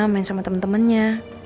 main sama temen temennya